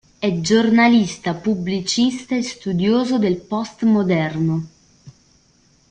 È giornalista pubblicista e studioso del postmoderno.